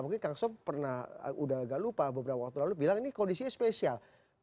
mungkin kang sob pernah udah agak lupa beberapa waktu lalu bilang ini kondisinya spesial